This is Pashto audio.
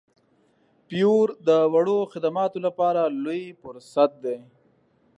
فیور د وړو خدماتو لپاره لوی فرصت دی.